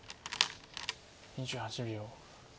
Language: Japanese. ２８秒。